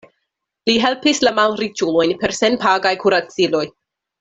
Li helpis la malriĉulojn per senpagaj kuraciloj.